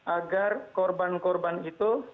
agar korban korban itu